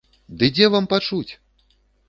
Ды дзе вам пачуць?